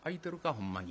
ほんまに」。